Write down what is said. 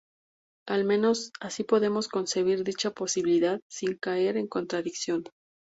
Al menos así podemos concebir dicha posibilidad sin caer en contradicción.